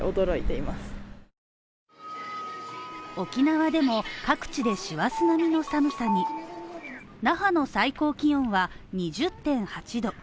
沖縄でも各地で師走並みの寒さに、那覇の最高気温は２０．８℃